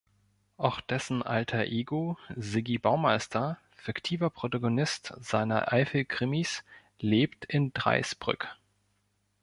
Auch dessen Alter Ego "Siggi Baumeister", fiktiver Protagonist seiner Eifel-Krimis, lebt in Dreis-Brück.